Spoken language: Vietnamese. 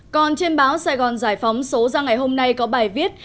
còn trên báo sài gòn giải phóng số ra ngày hôm nay có bài viết